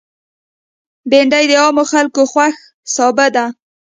بېنډۍ د عامو خلکو خوښ سابه ده